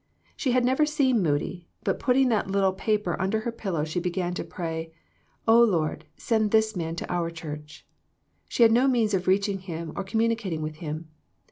She had never seen Moody, but putting that little pa per under her pillow, she began to pray, " O Lord, send this man to our Church.'* She had no means of reaching him or communicating with him.